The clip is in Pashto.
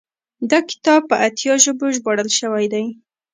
دا کتاب په اتیا ژبو ژباړل شوی دی.